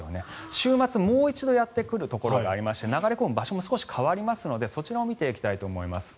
週末、もう一度やってくるところがありますので流れ込む場所も違うのでそちらを見ていきたいと思います。